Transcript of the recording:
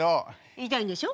言いたいんでしょ？